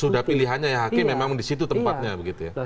sudah pilihannya ya hakim memang disitu tempatnya